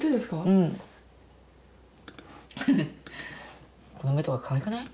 うんハハッこの目とかかわいくない？